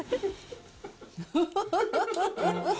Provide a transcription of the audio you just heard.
フフフフフ！